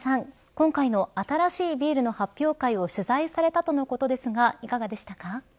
今回の新しいビールの発表会を取材されたとのことですがいかがでしたか。